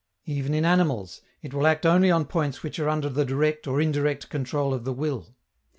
Even in animals, it will act only on points which are under the direct or indirect control of the will.